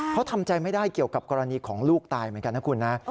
เขาทำใจไม่ได้เกี่ยวกับกรณีของลูกตายเหมือนกันนะคุณนะ